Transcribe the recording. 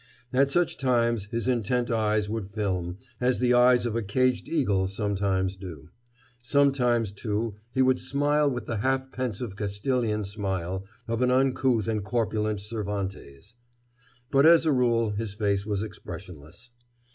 At such times his intent eyes would film, as the eyes of a caged eagle sometimes do. Sometimes, too, he would smile with the half pensive Castilian smile of an uncouth and corpulent Cervantes. But as a rule his face was expressionless.